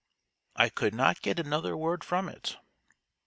I could not get another word from it."